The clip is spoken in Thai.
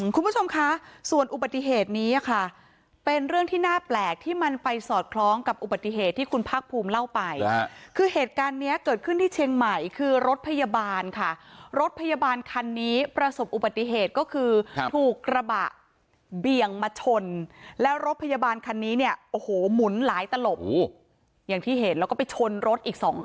คุณผู้ชมคะส่วนอุบัติเหตุนี้ค่ะเป็นเรื่องที่น่าแปลกที่มันไปสอดคล้องกับอุบัติเหตุที่คุณภาคภูมิเล่าไปคือเหตุการณ์เนี้ยเกิดขึ้นที่เชียงใหม่คือรถพยาบาลค่ะรถพยาบาลคันนี้ประสบอุบัติเหตุก็คือถูกกระบะเบี่ยงมาชนแล้วรถพยาบาลคันนี้เนี่ยโอ้โหหมุนหลายตลบอย่างที่เห็นแล้วก็ไปชนรถอีกสองคัน